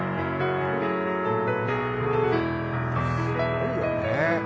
すごいよね。